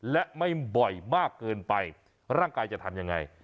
และไม่บ่อยมากเกินไปร่างกายจะทำยังไง